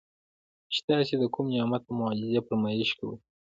چې تاسي د کوم نعمت او معجزې فرمائش کوئ